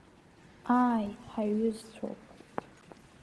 Ааи, ҳаиҩызцәоуп.